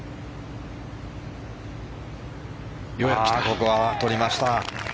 ここはとりました。